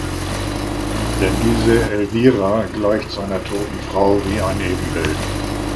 Denn diese Elvira gleicht seiner toten Frau wie ein Ebenbild.